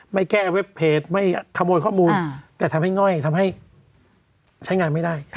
ไม่แก้เว็บเพจไม่ขโมยข้อมูลแต่ทำให้ง่อยทำให้ใช้งานไม่ได้